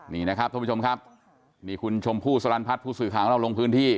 นี่นะครับท่วบชมครับคุณชมผู้สลันพรรดิผู้สื่อข่าวนอกลงพื้นที่